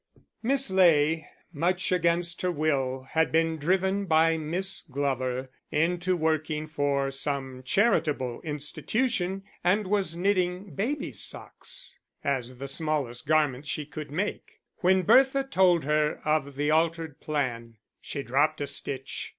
Miss Ley, much against her will, had been driven by Miss Glover into working for some charitable institution, and was knitting babies' socks (as the smallest garments she could make) when Bertha told her of the altered plan: she dropped a stitch!